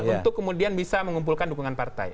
untuk kemudian bisa mengumpulkan dukungan partai